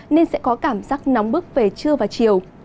nên sẽ có cảm giác nóng bức về trưa và chiều